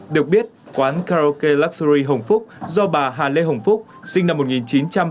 được biết quán karaoke luxury hồng phúc do bà hà lê hồng phúc sinh năm một nghìn chín trăm tám mươi